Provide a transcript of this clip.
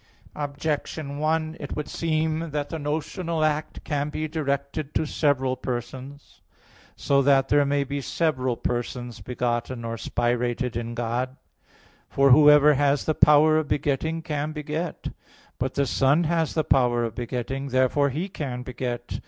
Objection 1: It would seem that a notional act can be directed to several Persons, so that there may be several Persons begotten or spirated in God. For whoever has the power of begetting can beget. But the Son has the power of begetting. Therefore He can beget.